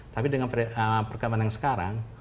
tapi dengan perkembangan yang sekarang